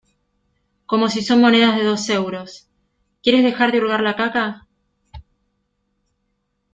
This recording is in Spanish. como si son monedas de dos euros, ¿ quieres dejar de hurgar la caca